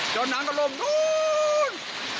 จอดหนังก็รวมนู้น